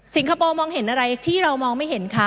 คโปร์มองเห็นอะไรที่เรามองไม่เห็นคะ